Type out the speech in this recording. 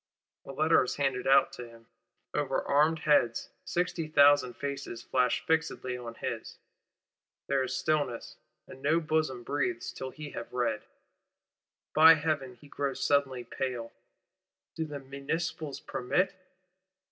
A Letter is handed out to him, over armed heads; sixty thousand faces flash fixedly on his, there is stillness and no bosom breathes, till he have read. By Heaven, he grows suddenly pale! Do the Municipals permit?